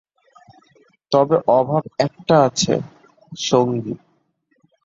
তবে অভাব একটা আছে, সঙ্গী।